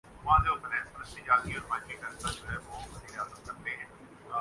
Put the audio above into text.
وقت پڑنے پر بیرونی طاقتوں کے مفادات